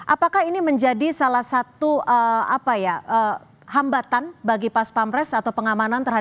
apakah ini menjadi salah satu hambatan bagi pas pampres atau pengamanan